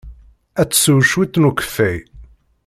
Ad tsew cwiṭ n ukeffay.